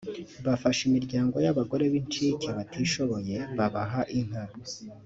bafasha imiryango y’abagore b’incike batishoboye babaha inka